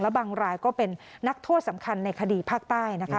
บางรายก็เป็นนักโทษสำคัญในคดีภาคใต้นะคะ